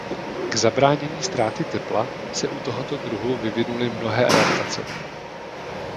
K zabránění ztráty tepla se u tohoto druhu vyvinuly mnohé adaptace.